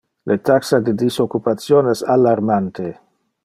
Le taxa de disoccupation es alarmante.